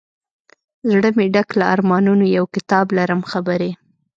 زړه مي ډک له ارمانونو یو کتاب لرم خبري